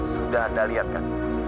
sudah anda lihat kan